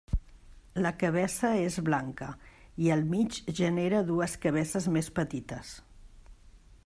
La cabeça és blanca i al mig genera dues cabeces més petites.